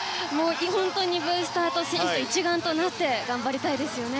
本当にブースターと選手と一丸となって頑張りたいですよね。